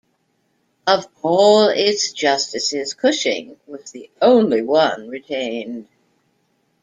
Of all its justices, Cushing was the only one retained.